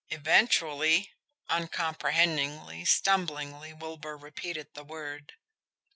"Eventually?" Uncomprehendingly, stumblingly, Wilbur repeated the word.